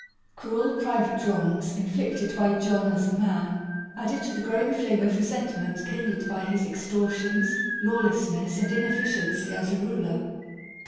Cruel private wrongs, inflicted by John as a man, added to the growing flame of re sentment kindled by his extortions, lawlessness, and inefficiency as a ruler.